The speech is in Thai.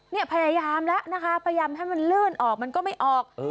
เนี่ยพยายามเล่านะคะมันก็ไม่ออก